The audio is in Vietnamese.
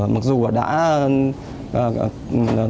mặc dù đã cùng với cả các cái thầy thuốc rất là khó khăn rất là khó khăn